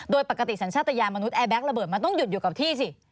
โดยปกติสัญชาติยานมนุษยแบ็คระเบิดมันต้องหยุดอยู่กับที่สิ